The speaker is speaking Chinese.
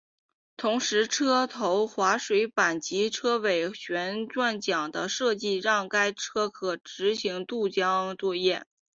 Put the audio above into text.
同时车头滑水板及车尾螺旋桨的设计让该车可执行渡河作业。